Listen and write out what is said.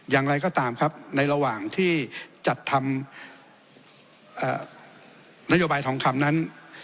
อย่างไรก็ตามครับในระหว่างที่จัดทำนโยบายทองคำนั้น